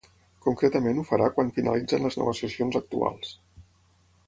Concretament ho farà quan finalitzin les negociacions actuals.